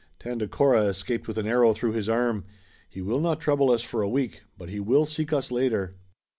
Tandakora escaped with an arrow through his arm. He will not trouble us for a week, but he will seek us later."